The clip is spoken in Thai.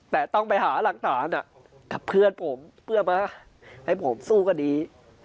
แต่ต้องไปหาหลักฐานกับเพื่อนผมเพื่อมาให้ผมสู้คดี